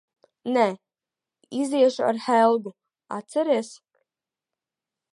Nē. Iziešu ar Helgu, atceries?